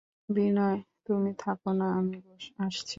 বিনয় তুমি থাকো-না– আমি আসছি।